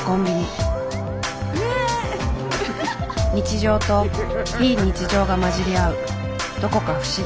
日常と非日常が混じり合うどこか不思議な空間。